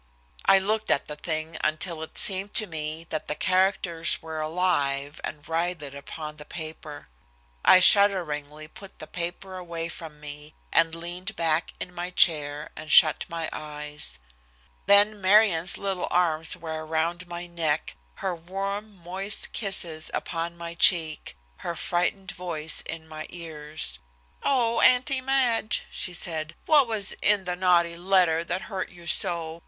I looked at the thing until it seemed to me that the characters were alive and writhed upon the paper. I shudderingly put the paper away from me, and leaned back in my chair and shut my eyes. Then Marion's little arms were around my neck, her warm, moist kisses upon my cheek, her frightened voice in my ears. "Oh! Auntie Madge," she said. "What was in the naughty letter that hurt you so?